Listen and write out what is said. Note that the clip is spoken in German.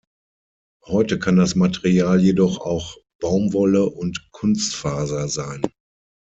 Heute kann das Material jedoch auch Baumwolle und Kunstfaser sein.